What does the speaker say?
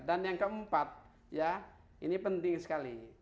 dan yang keempat ya ini penting sekali